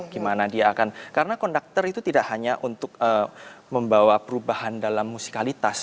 gimana dia akan karena konduktor itu tidak hanya untuk membawa perubahan dalam musikalitas